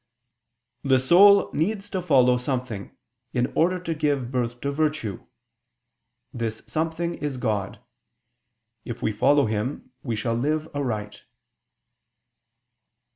vi), "the soul needs to follow something in order to give birth to virtue: this something is God: if we follow Him we shall live aright."